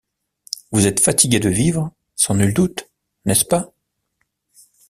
Vous êtes fatiguée de vivre, sans nul doute, n’est-ce pas?